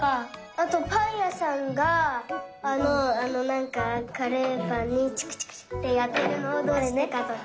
あとパンやさんがあのあのなんかカレーパンにチクチクチクってやってるのはどうしてかとか。